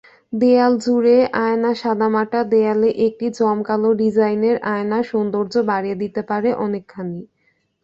দেয়ালজুড়ে আয়নাসাদামাটা দেয়ালে একটি জমকালো ডিজাইনের আয়না সৌন্দর্য বাড়িয়ে দিতে পারে অনেকখানি।